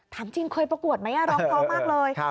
ถามจริงเคยประกวดไหมร้องเพราะมากเลย